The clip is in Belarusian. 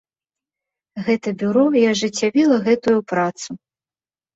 Гэта бюро і ажыццявіла гэтую працу.